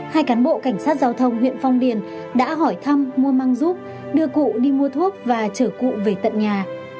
hai cán bộ cảnh sát giao thông huyện phong điền đã hỏi thăm mua mang giúp đưa cụ đi mua thuốc và chở cụ về tận nhà